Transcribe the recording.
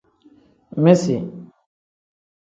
Misi.